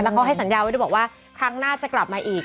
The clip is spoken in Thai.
เขาให้สัญญาไว้ด้วยบอกว่าครั้งหน้าจะกลับมาอีก